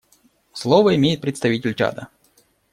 Слово имеет представитель Чада.